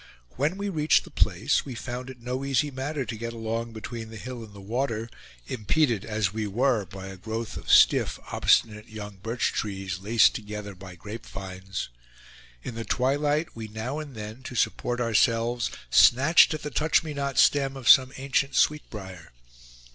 When we reached the place we found it no easy matter to get along between the hill and the water, impeded as we were by a growth of stiff, obstinate young birch trees, laced together by grapevines. In the twilight, we now and then, to support ourselves, snatched at the touch me not stem of some ancient sweet brier.